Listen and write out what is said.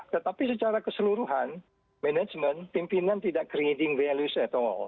tetapi secara keseluruhan management pimpinan tidak creating values at all